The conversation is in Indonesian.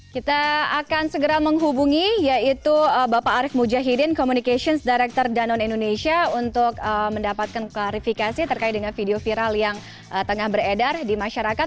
kita akan segera menghubungi yaitu bapak arief mujahidin communications director danone indonesia untuk mendapatkan klarifikasi terkait dengan video viral yang tengah beredar di masyarakat